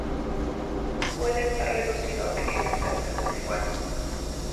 Puede estar reducido a pequeñas cerdas desiguales.